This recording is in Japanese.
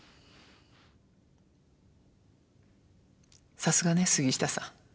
さすがね杉下さん。